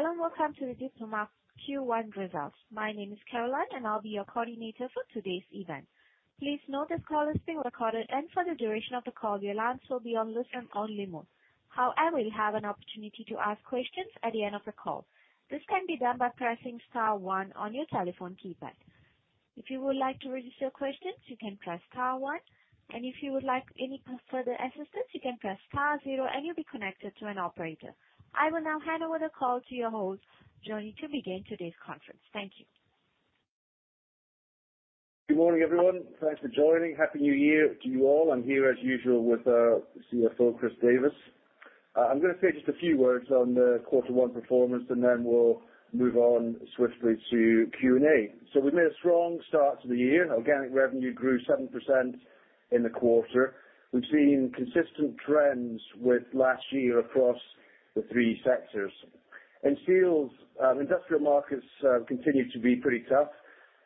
Hello, and welcome to the Diploma Q1 results. My name is Caroline, and I'll be your coordinator for today's event. Please note this call is being recorded, and for the duration of the call, your lines will be on listen-only mode. However, you have an opportunity to ask questions at the end of the call. This can be done by pressing star one on your telephone keypad. If you would like to register questions, you can press star one. And if you would like any further assistance, you can press star zero, and you'll be connected to an operator. I will now hand over the call to your host, Johnny, to begin today's conference. Thank you. Good morning, everyone. Thanks for joining. Happy New Year to you all. I'm here, as usual, with CFO Chris Davies. I'm going to say just a few words on the quarter one performance, and then we'll move on swiftly to Q&A, so we've made a strong start to the year. Organic revenue grew 7% in the quarter. We've seen consistent trends with last year across the three sectors. In Seals, industrial markets continued to be pretty tough,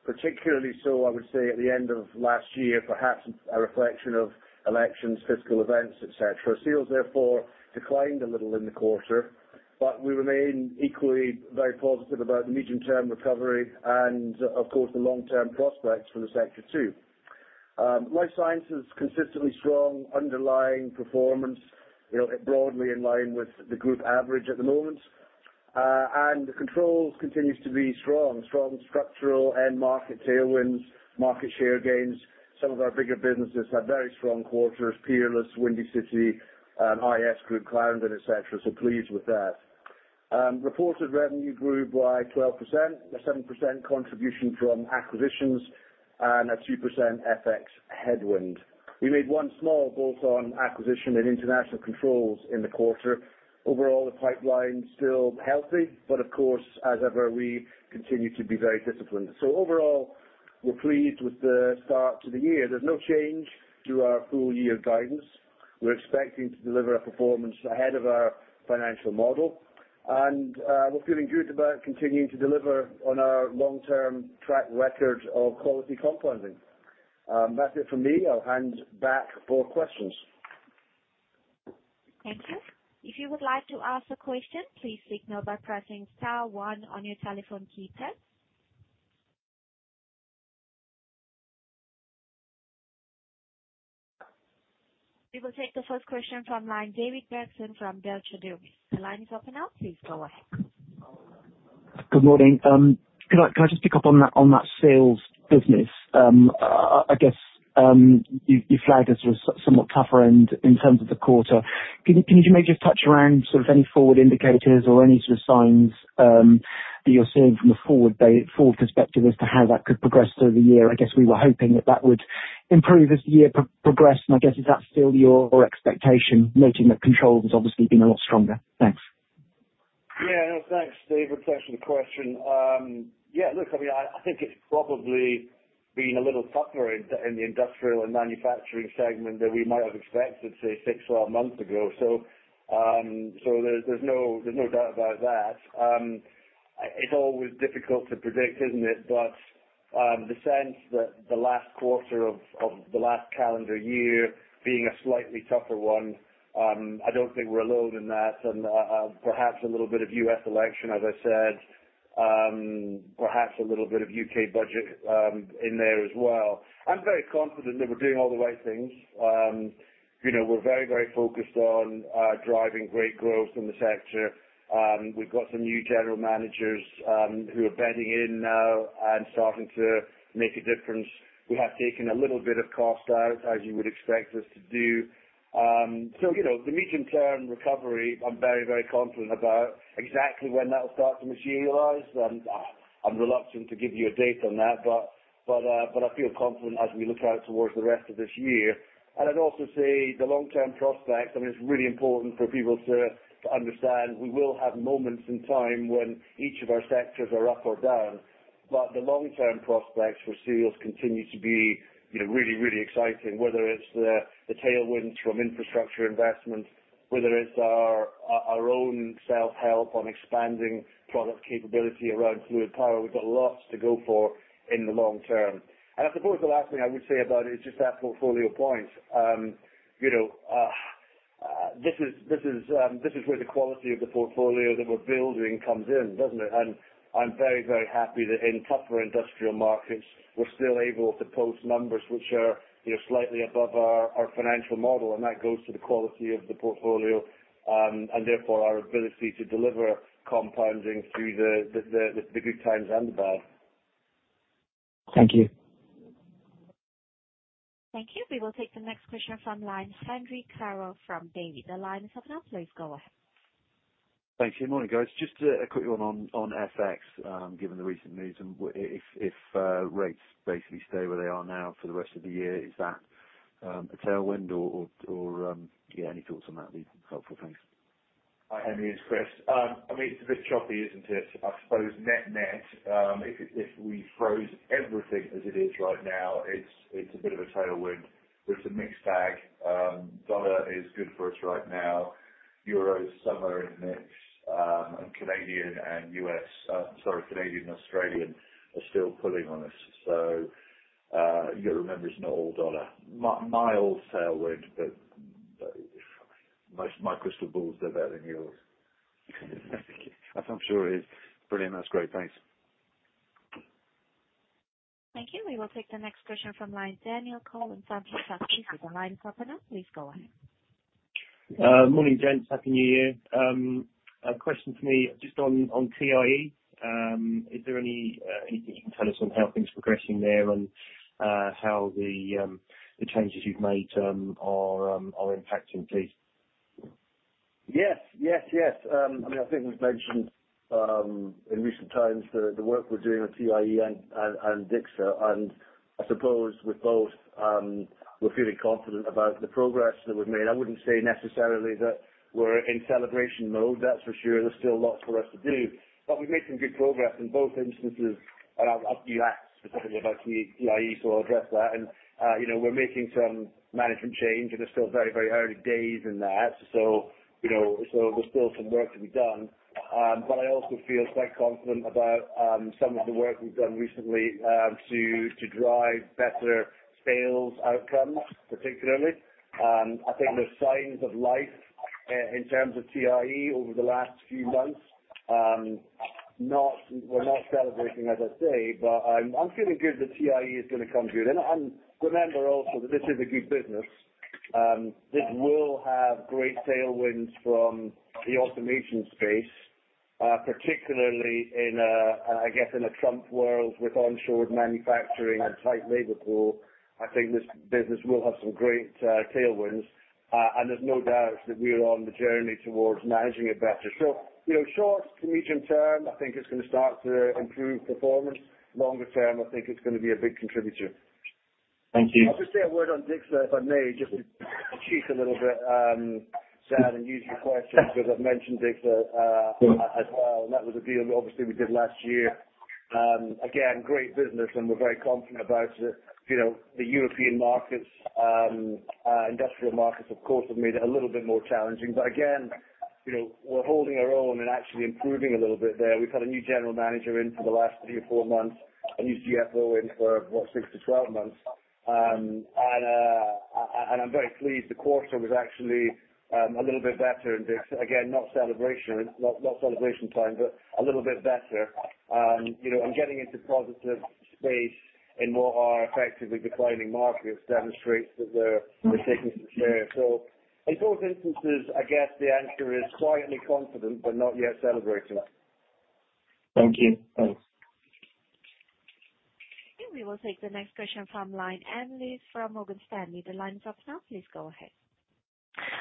particularly so, I would say, at the end of last year, perhaps a reflection of elections, fiscal events, etc. Seals therefore declined a little in the quarter, but we remain equally very positive about the medium-term recovery and, of course, the long-term prospects for the sector too. Life Sciences consistently strong underlying performance, broadly in line with the group average at the moment. And the Controls continues to be strong, strong structural and market tailwinds, market share gains. Some of our bigger businesses had very strong quarters: Peerless, Windy City, IS Group, Clarendon, etc. So pleased with that. Reported revenue grew by 12%, a 7% contribution from acquisitions, and a 2% FX headwind. We made one small bolt-on acquisition in international Controls in the quarter. Overall, the pipeline is still healthy, but of course, as ever, we continue to be very disciplined. So overall, we're pleased with the start to the year. There's no change to our full-year guidance. We're expecting to deliver a performance ahead of our financial model. And we're feeling good about continuing to deliver on our long-term track record of quality compounding. That's it for me. I'll hand back for questions. Thank you. If you would like to ask a question, please signal by pressing star one on your telephone keypad. We will take the first question from line David [Brockton] from [Deutsche Bank]. The line is open now. Please go ahead. Good morning. Can I just pick up on that Seals business? I guess you flagged as somewhat tougher end in terms of the quarter. Can you maybe just touch around sort of any forward indicators or any sort of signs that you're seeing from a forward perspective as to how that could progress through the year? I guess we were hoping that that would improve as the year progressed. And I guess is that still your expectation, noting that Controls have obviously been a lot stronger? Thanks. Yeah. Thanks, David. Thanks for the question. Yeah. Look, I mean, I think it's probably been a little tougher in the industrial and manufacturing segment than we might have expected six months or a month ago. So there's no doubt about that. It's always difficult to predict, isn't it? But the sense that the last quarter of the last calendar year being a slightly tougher one, I don't think we're alone in that. And perhaps a little bit of U.S. election, as I said, perhaps a little bit of U.K. budget in there as well. I'm very confident that we're doing all the right things. We're very, very focused on driving great growth in the sector. We've got some new general managers who are bedding in now and starting to make a difference. We have taken a little bit of cost out, as you would expect us to do. So the medium-term recovery, I'm very, very confident about exactly when that will start to materialize. I'm reluctant to give you a date on that, but I feel confident as we look out toward the rest of this year. And I'd also say the long-term prospects, I mean, it's really important for people to understand we will have moments in time when each of our sectors are up or down. But the long-term prospects for Seals continue to be really, really exciting, whether it's the tailwinds from infrastructure investment, whether it's our own self-help on expanding product capability around fluid power. We've got lots to go for in the long term. And I suppose the last thing I would say about it is just that portfolio point. This is where the quality of the portfolio that we're building comes in, doesn't it? And I'm very, very happy that in tougher industrial markets, we're still able to post numbers which are slightly above our financial model. And that goes to the quality of the portfolio and therefore our ability to deliver compounding through the good times and the bad. Thank you. Thank you. We will take the next question from Henry [Carver] from Davy. The line is now open. Please go ahead. Thanks. Good morning, guys. Just a quick one on FX, given the recent news. If rates basically stay where they are now for the rest of the year, is that a tailwind or, yeah, any thoughts on that would be helpful? Thanks. Hi, Henry. It's Chris. I mean, it's a bit choppy, isn't it? I suppose net-net, if we froze everything as it is right now, it's a bit of a tailwind. It's a mixed bag. Dollar is good for us right now. Euro, somewhere in the mix. And Canadian and U.S., sorry, Canadian and Australian are still pulling on us. So you've got to remember it's not all dollar. Mild tailwind, but my crystal balls are better than yours. I'm sure it is. Brilliant. That's great. Thanks. Thank you. We will take the next question from line Daniel [Cowan] in [HSBC]. The line is open now. Please go ahead. Morning, Johnny. Happy New Year. A question for me just on TIE. Is there anything you can tell us on how things are progressing there and how the changes you've made are impacting, please? Yes. Yes. Yes. I mean, I think we've mentioned in recent times the work we're doing with TIE and DICSA. And I suppose with both, we're feeling confident about the progress that we've made. I wouldn't say necessarily that we're in celebration mode, that's for sure. There's still lots for us to do. But we've made some good progress in both instances. And you asked specifically about TIE, so I'll address that. And we're making some management change, and it's still very, very early days in that. So there's still some work to be done. But I also feel quite confident about some of the work we've done recently to drive better sales outcomes, particularly. I think there's signs of life in terms of TIE over the last few months. We're not celebrating, as I say, but I'm feeling good that TIE is going to come good. Remember also that this is a good business. This will have great tailwinds from the automation space, particularly in, I guess, in a Trump world with onshored manufacturing and tight labor pool. I think this business will have some great tailwinds. There's no doubt that we're on the journey towards managing it better. Short to medium term, I think it's going to start to improve performance. Longer term, I think it's going to be a big contributor. Thank you. I'll just say a word on DICSA, if I may, just to cheat a little bit, said, and use your question because I've mentioned DICSA as well, and that was a deal that, obviously, we did last year. Again, great business, and we're very confident about it. The European markets, industrial markets, of course, have made it a little bit more challenging, but again, we're holding our own and actually improving a little bit there. We've had a new general manager in for the last three or four months, a new CFO in for, what, 6-12 months. And I'm very pleased the quarter was actually a little bit better in DICSA. Again, not celebration time, but a little bit better, and getting into positive space in what are effectively declining markets demonstrates that we're taking some care. So in both instances, I guess the answer is quietly confident but not yet celebrating. Thank you. Thanks. We will take the next question from Annelies from Morgan Stanley. The line is open now. Please go ahead.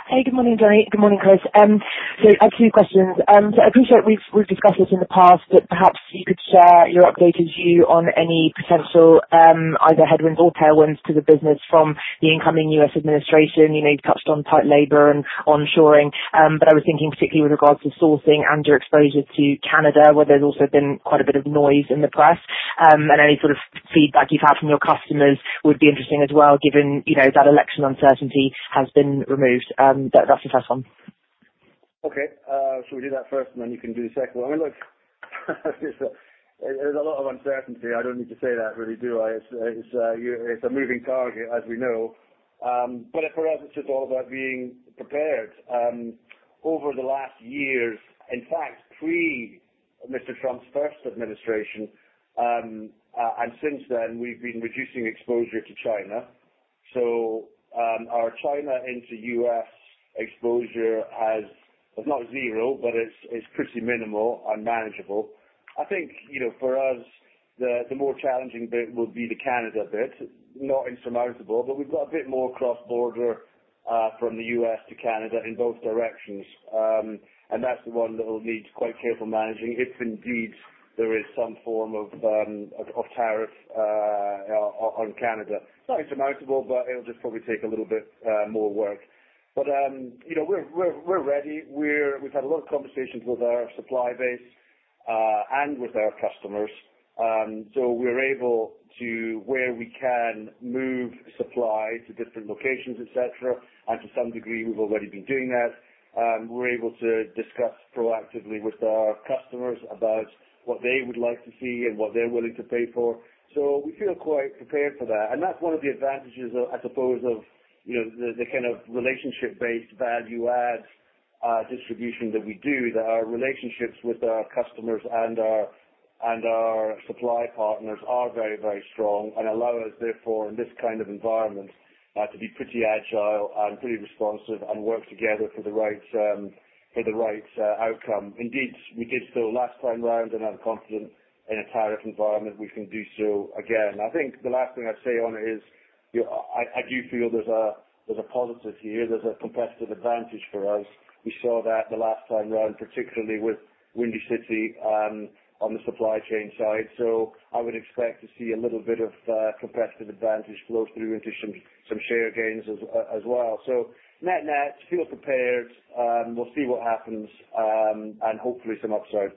Hey, good morning, Johnny. Good morning, Chris. So I have two questions. So I appreciate we've discussed this in the past, but perhaps you could share your updated view on any potential either headwinds or tailwinds to the business from the incoming U.S. administration. You touched on tight labor and onshoring. But I was thinking particularly with regards to sourcing and your exposure to Canada, where there's also been quite a bit of noise in the press. And any sort of feedback you've had from your customers would be interesting as well, given that election uncertainty has been removed. That's the first one. Okay. So we do that first, and then you can do the second one. I mean, look, there's a lot of uncertainty. I don't need to say that, really, do I? It's a moving target, as we know. But for us, it's just all about being prepared. Over the last years, in fact, pre-Mr. Trump's first administration, and since then, we've been reducing exposure to China. So our China into U.S. exposure has not zero, but it's pretty minimal and manageable. I think for us, the more challenging bit would be the Canada bit, not insurmountable. But we've got a bit more cross-border from the U.S. to Canada in both directions. And that's the one that will need quite careful managing if indeed there is some form of tariff on Canada. It's not insurmountable, but it'll just probably take a little bit more work. But we're ready. We've had a lot of conversations with our supply base and with our customers. So we're able to, where we can, move supply to different locations, etc. And to some degree, we've already been doing that. We're able to discuss proactively with our customers about what they would like to see and what they're willing to pay for. So we feel quite prepared for that. And that's one of the advantages, I suppose, of the kind of relationship-based value-add distribution that we do, that our relationships with our customers and our supply partners are very, very strong and allow us, therefore, in this kind of environment, to be pretty agile and pretty responsive and work together for the right outcome. Indeed, we did so last time round, and I'm confident in a tariff environment we can do so again. I think the last thing I'd say on it is I do feel there's a positive here. There's a competitive advantage for us. We saw that the last time round, particularly with Windy City on the supply chain side. So I would expect to see a little bit of competitive advantage flow through into some share gains as well. So net-net, feel prepared. We'll see what happens and hopefully some upside.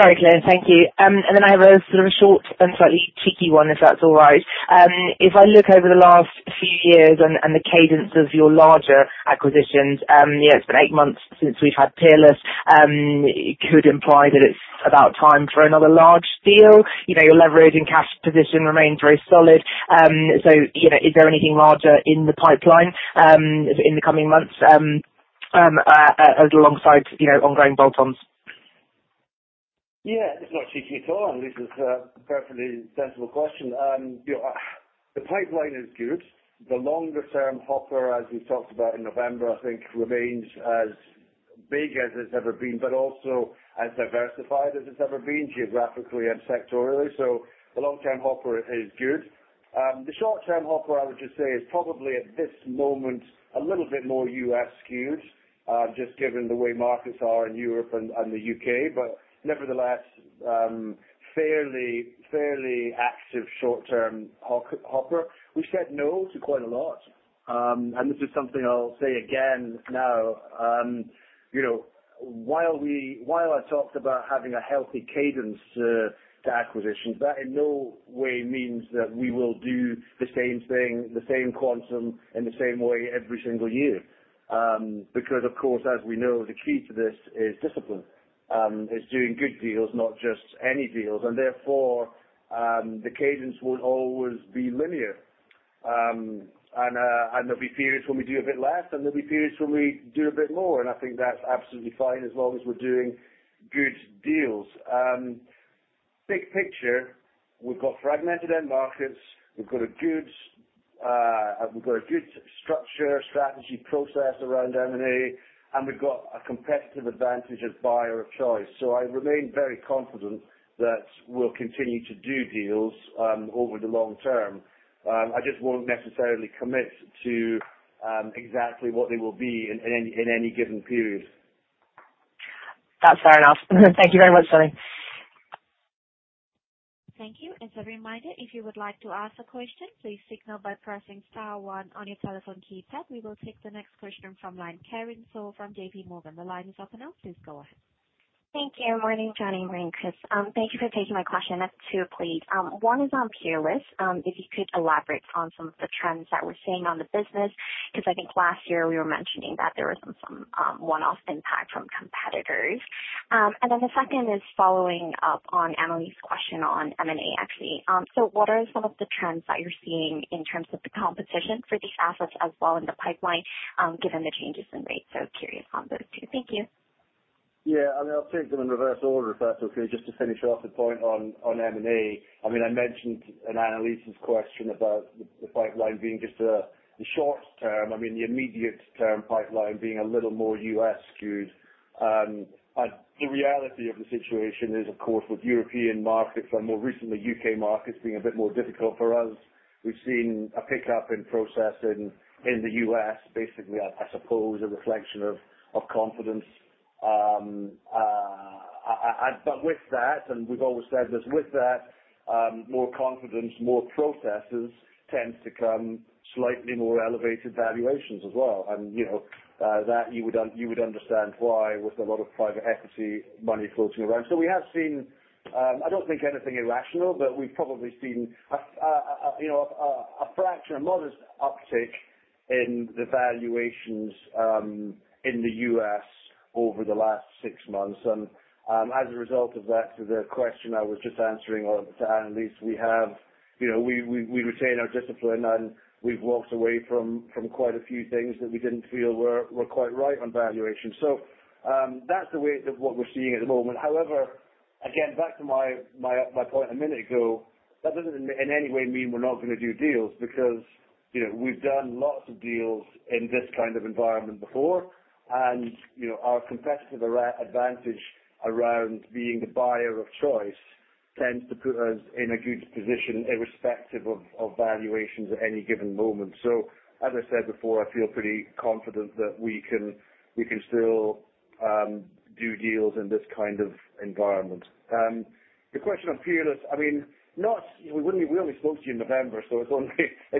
Sorry, Caroline. Thank you. And then I have a sort of short and slightly cheeky one, if that's all right. If I look over the last few years and the cadence of your larger acquisitions, yeah, it's been eight months since we've had Peerless, could imply that it's about time for another large deal. Your leverage and cash position remain very solid. So is there anything larger in the pipeline in the coming months alongside ongoing bolt-ons? Yeah. It's not cheeky at all, and this is a perfectly sensible question. The pipeline is good. The longer-term hopper, as we talked about in November, I think, remains as big as it's ever been, but also as diversified as it's ever been geographically and sectorally. So the long-term hopper is good. The short-term hopper, I would just say, is probably at this moment a little bit more U.S.-skewed, just given the way markets are in Europe and the U.K. But nevertheless, fairly active short-term hopper. We've said no to quite a lot. And this is something I'll say again now. While I talked about having a healthy cadence to acquisitions, that in no way means that we will do the same thing, the same quantum in the same way every single year. Because, of course, as we know, the key to this is discipline. It's doing good deals, not just any deals. And therefore, the cadence won't always be linear. And there'll be periods when we do a bit less, and there'll be periods when we do a bit more. And I think that's absolutely fine as long as we're doing good deals. Big picture, we've got fragmented end markets. We've got a good structure, strategy, process around M&A, and we've got a competitive advantage as buyer of choice. So I remain very confident that we'll continue to do deals over the long term. I just won't necessarily commit to exactly what they will be in any given period. That's fair enough. Thank you very much, Johnny. Thank you. As a reminder, if you would like to ask a question, please signal by pressing star one on your telephone keypad. We will take the next question from line Karen Sowell from JPMorgan. The line is open now. Please go ahead. Thank you. Morning, Johnny. Morning, Chris. Thank you for taking my question. That's two, please. One is on Peerless. If you could elaborate on some of the trends that we're seeing on the business because I think last year we were mentioning that there was some one-off impact from competitors. And then the second is following up on Annelies's question on M&A, actually. So what are some of the trends that you're seeing in terms of the competition for these assets as well in the pipeline, given the changes in rates? So curious on those two. Thank you. Yeah. I mean, I'll take them in reverse order if that's okay, just to finish off the point on M&A. I mean, I mentioned in Annelies's question about the pipeline being just the short term, I mean, the immediate-term pipeline being a little more U.S.-skewed. The reality of the situation is, of course, with European markets and more recently U.K. markets being a bit more difficult for us. We've seen a pickup in processing in the U.S., basically, I suppose, a reflection of confidence. But with that, and we've always said this, with that, more confidence, more processes tends to come. Slightly more elevated valuations as well. And that, you would understand why, with a lot of private equity money floating around. We have seen, I don't think anything irrational, but we've probably seen a fraction, a modest uptick in the valuations in the U.S. over the last six months. And as a result of that, to the question I was just answering to Annelies, we retain our discipline, and we've walked away from quite a few things that we didn't feel were quite right on valuation. That's the way that what we're seeing at the moment. However, again, back to my point a minute ago, that doesn't in any way mean we're not going to do deals because we've done lots of deals in this kind of environment before. And our competitive advantage around being the buyer of choice tends to put us in a good position irrespective of valuations at any given moment. As I said before, I feel pretty confident that we can still do deals in this kind of environment. The question on Peerless, I mean, we only spoke to you in November, so it's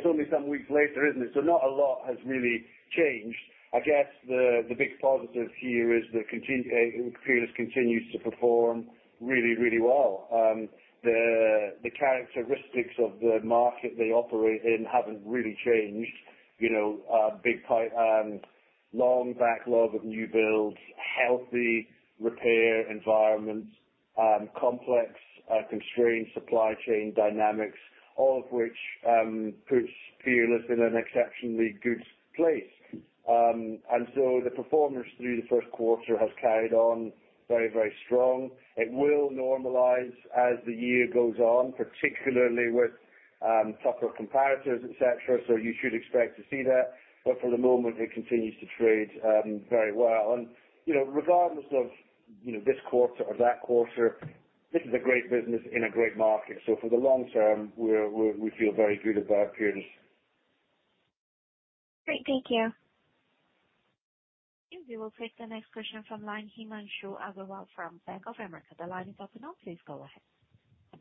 only some weeks later, isn't it? So not a lot has really changed. I guess the big positive here is that Peerless continues to perform really, really well. The characteristics of the market they operate in haven't really changed. Big long backlog of new builds, healthy repair environments, complex constrained supply chain dynamics, all of which puts Peerless in an exceptionally good place. And so the performance through the first quarter has carried on very, very strong. It will normalize as the year goes on, particularly with tougher competitors, etc. So you should expect to see that. But for the moment, it continues to trade very well. Regardless of this quarter or that quarter, this is a great business in a great market. For the long term, we feel very good about Peerless. Great. Thank you. We will take the next question from Himanshu Agarwal from Bank of America. The line is open now. Please go ahead.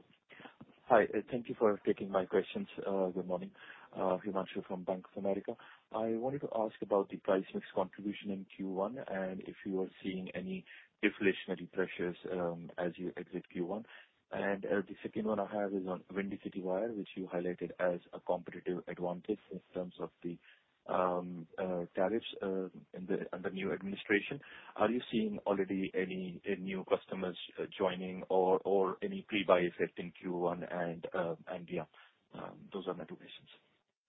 Hi. Thank you for taking my questions. Good morning. Himanshu from Bank of America. I wanted to ask about the price mix contribution in Q1 and if you are seeing any deflationary pressures as you exit Q1. And the second one I have is on Windy City Wire, which you highlighted as a competitive advantage in terms of the tariffs under new administration. Are you seeing already any new customers joining or any pre-buy effect in Q1 and beyond? Those are my two questions.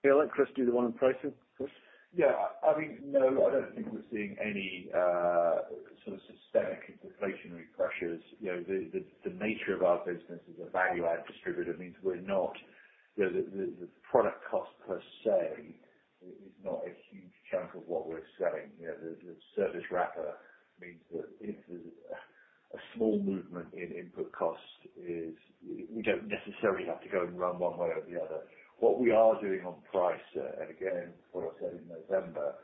Yeah. Let Chris do the one on pricing, Chris. Yeah. I mean, no, I don't think we're seeing any sort of systemic inflationary pressures. The nature of our business is a value-add distributor. Means the product cost per se is not a huge chunk of what we're selling. The service wrapper means that if there's a small movement in input costs, we don't necessarily have to go and run one way or the other. What we are doing on price, and again, what I said in November,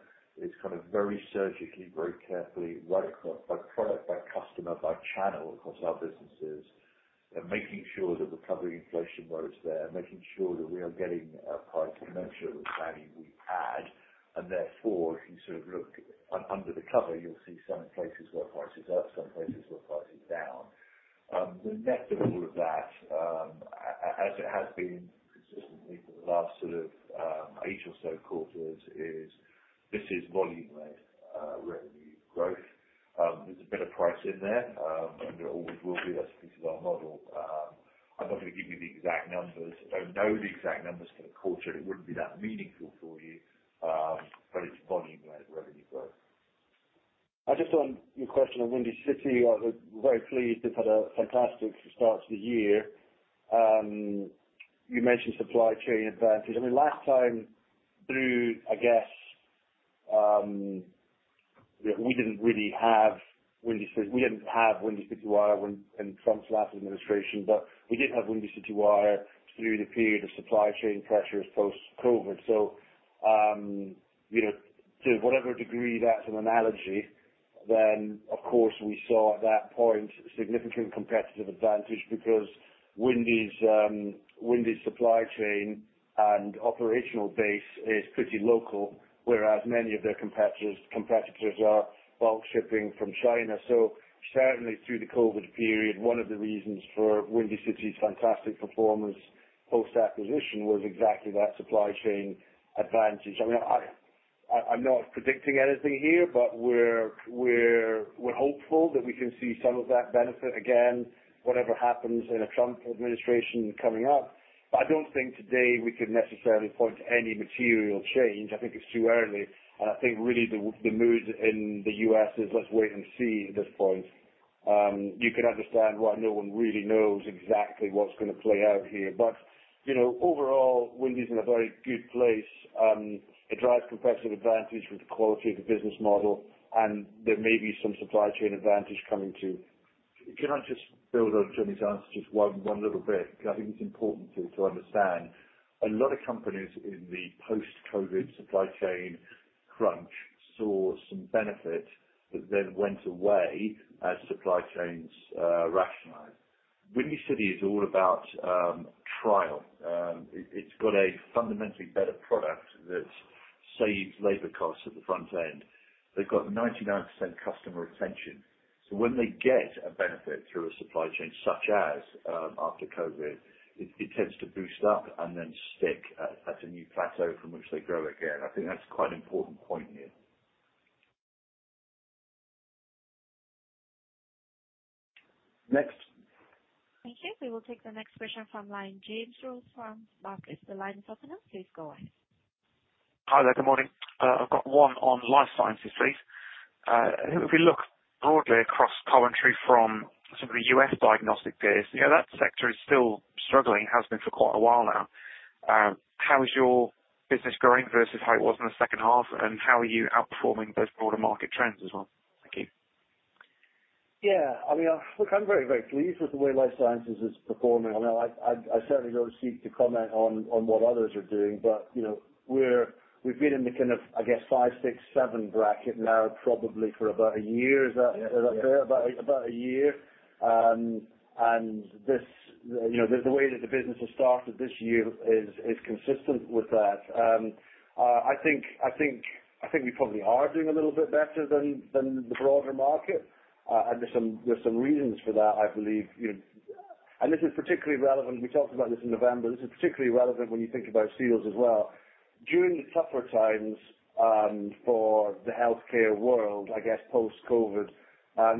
is kind of very surgically, very carefully, right across by product, by customer, by channel across our businesses, making sure that we're covering inflation where it's there, making sure that we are getting a price credential with value we add. And therefore, if you sort of look under the cover, you'll see some places where price is up, some places where price is down. The net of all of that, as it has been consistently for the last sort of eight or so quarters, is this is volume-led revenue growth. There's a bit of price in there, and there always will be. That's a piece of our model. I'm not going to give you the exact numbers. I don't know the exact numbers for the quarter. It wouldn't be that meaningful for you, but it's volume-led revenue growth. Just on your question on Windy City, very pleased. They've had a fantastic start to the year. You mentioned supply chain advantage. I mean, last time through, I guess, we didn't really have Windy City. We didn't have Windy City Wire in Trump's last administration, but we did have Windy City Wire through the period of supply chain pressures post-COVID. So to whatever degree that's an analogy, then, of course, we saw at that point significant competitive advantage because Windy's supply chain and operational base is pretty local, whereas many of their competitors are bulk shipping from China. So certainly through the COVID period, one of the reasons for Windy City's fantastic performance post-acquisition was exactly that supply chain advantage. I mean, I'm not predicting anything here, but we're hopeful that we can see some of that benefit again, whatever happens in a Trump administration coming up. But I don't think today we can necessarily point to any material change. I think it's too early. And I think really the mood in the U.S. is, "Let's wait and see at this point." You can understand why no one really knows exactly what's going to play out here. But overall, Windy City's in a very good place. It drives competitive advantage with the quality of the business model, and there may be some supply chain advantage coming too. Can I just build on Johnny's answer just one little bit? I think it's important to understand a lot of companies in the post-COVID supply chain crunch saw some benefit that then went away as supply chains rationalized. Windy City is all about trial. It's got a fundamentally better product that saves labor costs at the front end. They've got 99% customer retention. So when they get a benefit through a supply chain such as after COVID, it tends to boost up and then stick at a new plateau from which they grow again. I think that's quite an important point here. Next. Thank you. We will take the next question from line James Rose from Barclays. The line is open now. Please go ahead. Hi there. Good morning. I've got one on Life Sciences, please. If we look broadly across the COVID era from some of the U.S. diagnostic peers, that sector is still struggling, has been for quite a while now. How is your business growing versus how it was in the second half, and how are you outperforming those broader market trends as well? Thank you. Yeah. I mean, look, I'm very, very pleased with the way Life Sciences is performing. I certainly don't seek to comment on what others are doing, but we've been in the kind of, I guess, five, six, seven bracket now probably for about a year. Is that fair? About a year. And the way that the business has started this year is consistent with that. I think we probably are doing a little bit better than the broader market. And there's some reasons for that, I believe. And this is particularly relevant, we talked about this in November. This is particularly relevant when you think about seals as well. During the tougher times for the healthcare world, I guess, post-COVID,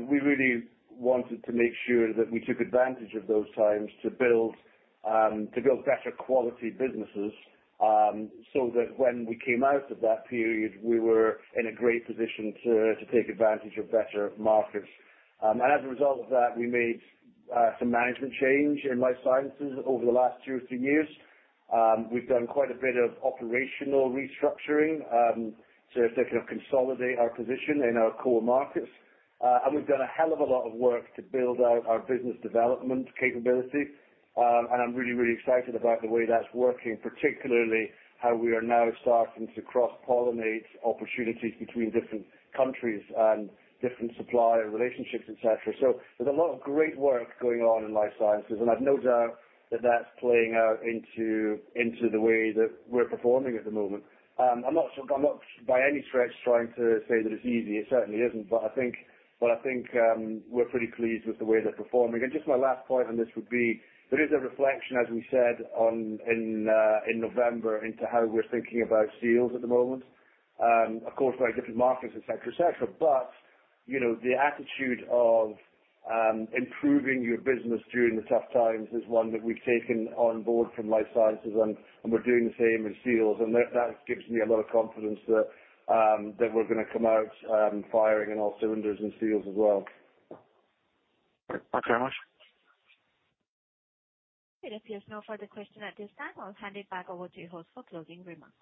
we really wanted to make sure that we took advantage of those times to build better quality businesses so that when we came out of that period, we were in a great position to take advantage of better markets. And as a result of that, we made some management change in Life Sciences over the last two or three years. We've done quite a bit of operational restructuring to kind of consolidate our position in our core markets. And we've done a hell of a lot of work to build out our business development capability. And I'm really, really excited about the way that's working, particularly how we are now starting to cross-pollinate opportunities between different countries and different supplier relationships, etc. So there's a lot of great work going on in Life Sciences, and I've no doubt that that's playing out into the way that we're performing at the moment. I'm not by any stretch trying to say that it's easy. It certainly isn't. But I think we're pretty pleased with the way they're performing. And just my last point on this would be, there is a reflection, as we said in November, into how we're thinking about seals at the moment. Of course, very different markets, etc., etc. But the attitude of improving your business during the tough times is one that we've taken on board from Life Sciences, and we're doing the same in Seals. And that gives me a lot of confidence that we're going to come out firing on all cylinders in Seals as well. Thanks very much. If there's no further question at this time, I'll hand it back over to your host for closing remarks.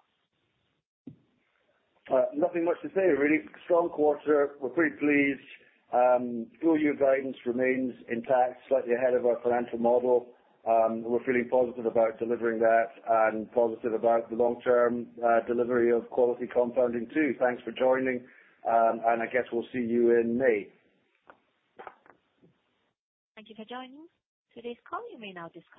Nothing much to say, really. Strong quarter. We're pretty pleased. Your guidance remains intact, slightly ahead of our financial model. We're feeling positive about delivering that and positive about the long-term delivery of quality compounding too. Thanks for joining, and I guess we'll see you in May. Thank you for joining today's call. You may now disconnect.